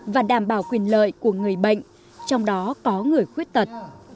và đảm bảo quyền lợi của người bệnh trong đó có người khuyết tật